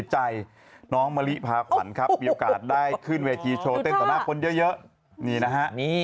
จริงเหรอฉันดูบ่อยนะฮะ